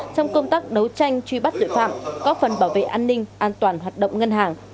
trong công tác đấu tranh truy bắt tội phạm góp phần bảo vệ an ninh an toàn hoạt động ngân hàng